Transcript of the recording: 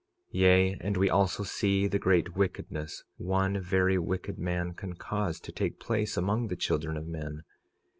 46:9 Yea, and we also see the great wickedness one very wicked man can cause to take place among the children of men.